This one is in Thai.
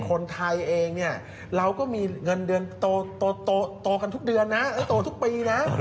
คนไทยเองเราก็มีเงินเดือนโตทุกเดือนโตทุกปี